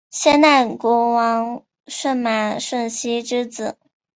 先代国王舜马顺熙之子。